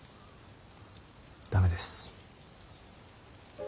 駄目です。